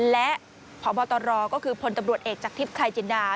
และพบตรก็คือพลตำรวจเอกจากทิพย์ชายจินดา